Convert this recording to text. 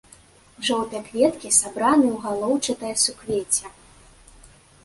Жоўтыя кветкі сабраны ў галоўчатае суквецце.